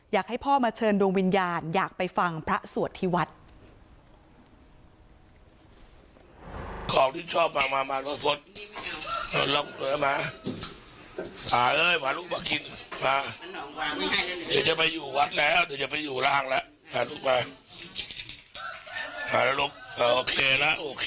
อยากให้พ่อมาเชิญดวงวิญญาณอยากไปฟังพระสวดที่วัด